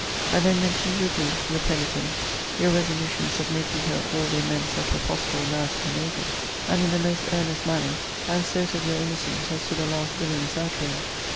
I then mentioned your grief, your penitence, your resolutions of making her all the amends that were possible now to be made her: and in the most earnest manner, I asserted your innocence as to the last villanous outrage.